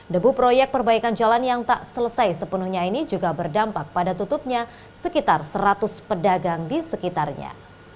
debu proyek perbaikan jalan yang tak selesai sepenuhnya ini juga berdampak pada tutupnya sekitar seratus pedagang di sekitarnya